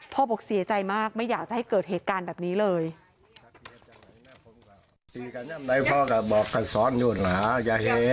บอกเสียใจมากไม่อยากจะให้เกิดเหตุการณ์แบบนี้เลย